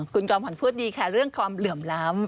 คุณจอมขวัญพูดดีค่ะเรื่องความเหลื่อมล้ำ